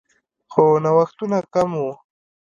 خو نوښتونه کم وو